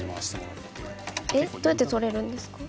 どうやって取れるんですか？